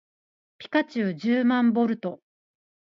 ピカチュウじゅうまんボルト